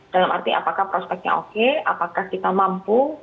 dalam arti apakah prospeknya oke apakah kita mampu